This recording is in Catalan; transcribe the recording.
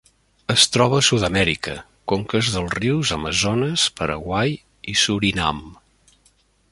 Es troba a Sud-amèrica: conques dels rius Amazones, Paraguai i Surinam.